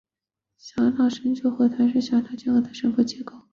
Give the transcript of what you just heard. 小脑深部核团是小脑的深部的解剖结构。